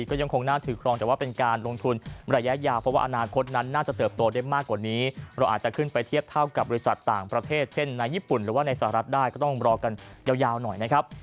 ก็ยังคงน่าถือครองแต่ว่าเป็นการลงทุนระยะยาวเพราะว่าอนาคตนั้นน่าจะเติบโตได้มากกว่านี้เราอาจจะขึ้นไปเทียบเท่ากับบริษัทต่างประเทศเช่นในญี่ปุ่นหรือว่าในสหรัฐได้ก็ต้องรอกันยาวหน่อยนะครับ